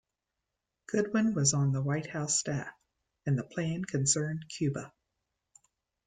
Goodwin was on the White House staff, and the plan concerned Cuba.